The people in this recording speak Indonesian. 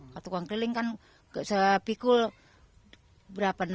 ke tukang keliling kan sepikul berapa